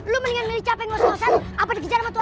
lu mendingan milih capek ngo said nggak juga hangus